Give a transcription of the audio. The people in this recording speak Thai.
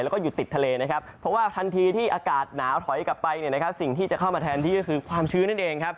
แล้วก็อยู่ติดทะเลเพราะว่าทันทีที่อากาศหนาวถอยกลับไปสิ่งที่จะเข้ามาแทนที่ก็คือความชื้นนั่นเอง